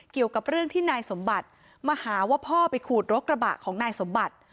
เกี่ยวกับเรื่องที่นายสมบัติมาหาว่าพ่อไปขูดรถกระบะของนายสมบัติ